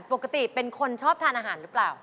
เป็นคนชอบทานอาหารหรือเปล่า